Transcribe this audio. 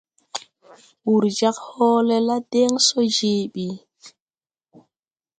Wūr jāg hɔɔle la deŋ so je bi.